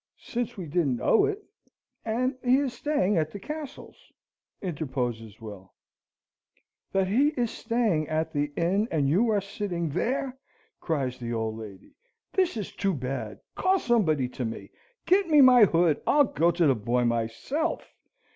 "Since we didn't know it, and he is staying at the Castles?" interposes Will. "That he is staying at the Inn, and you are sitting there!" cries the old lady. "This is too bad call somebody to me. Get me my hood I'll go to the boy myself.